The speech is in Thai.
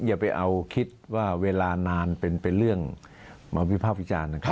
อย่าไปเอาคิดว่าเวลานานเป็นเรื่องมาวิภาควิจารณ์นะครับ